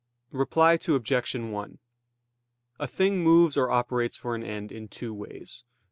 Reply Obj. 1: A thing moves or operates for an end in two ways.